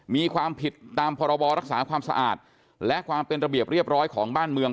มีความผิดตามพรบรักษาความสะอาดและความเป็นระเบียบเรียบร้อยของบ้านเมือง